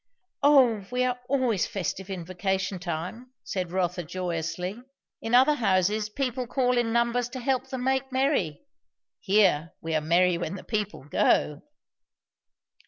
"O we are always festive in vacation time," said Rotha joyously. "In other houses people call in numbers to help them make merry; here we are merry when the people go!"